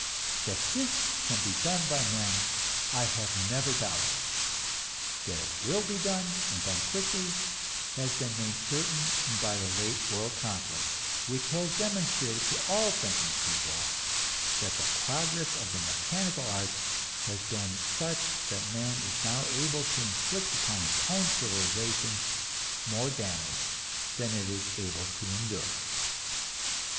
That this can be done by men, I have never doubted. That it will be done, and done quickly, has been made certain by the late world conflict, which has demonstrated to all thinking people that the progress of the mechanical arts has been such that man is now able to inflict upon his own civilization more damage than it is able to endure.